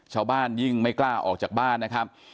ยิ่งไม่กล้าออกจากบ้านนะครับ